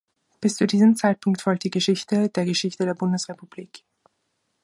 Bis zu diesem Zeitpunkt folgt die Geschichte der Geschichte der Bundesrepublik.